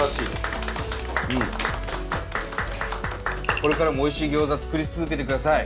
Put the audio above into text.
これからもおいしい餃子作り続けて下さい。